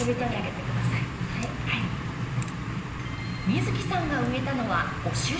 美月さんが植えたのは５種類。